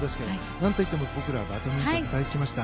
何といっても僕らはバドミントンを伝えてきました。